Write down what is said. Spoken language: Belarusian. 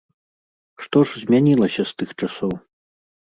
Што ж змянілася з тых часоў?